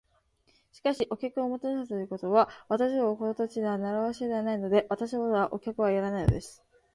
「しかし、お客をもてなすということは、私どものこの土地では慣わしではないので。私どもはお客はいらないのです」